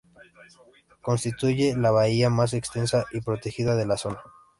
Constituye la bahía más extensa y protegida de la zona.